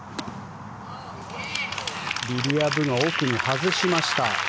リリア・ブが奥に外しました。